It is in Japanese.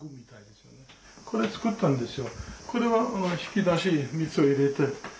これ作ったんですよ。